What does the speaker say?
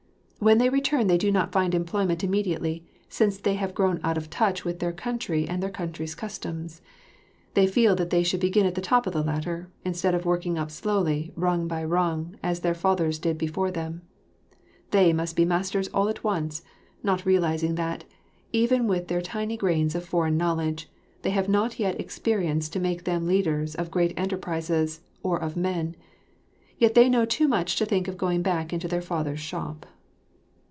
When they return they do not find employment immediately, since they have grown out of touch with their country and their country's customs. They feel that they should begin at the top of the ladder, instead of working up slowly, rung by rung, as their fathers did before them. They must be masters all at once, not realising that, even with their tiny grains of foreign knowledge, they have not yet experience to make them leaders of great enterprises or of men; yet they know too much to think of going back into their father's shop.